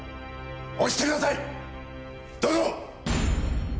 「押してください。どうぞ！」